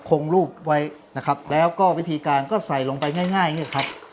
คงรูปไว้นะครับแล้วก็วิธีการก็ใส่ลงไปง่ายนี่แหละครับ